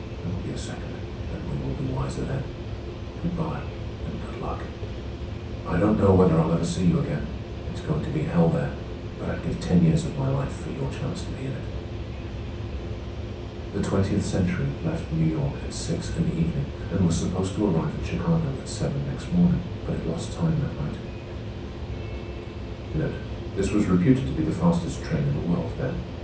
There will be a second, and we will be wiser then. Good by and good luck. I don't know whether I'll ever see you again. It's going to be hell there, but I'd give ten years of my life for your chance to be in it." The Twentieth Century left New York at six in the evening, and was supposed to arrive at Chicago at seven next morning. But it lost time that night.